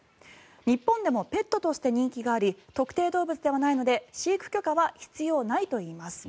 日本でもペットとして人気があり特定動物ではないので飼育許可は必要ないといいます。